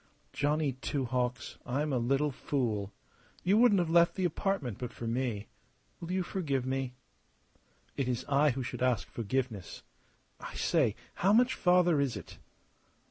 Johnny Two Hawks, I'm a little fool! You wouldn't have left the apartment but for me. Will you forgive me?" "It is I who should ask forgiveness. I say, how much farther is it?"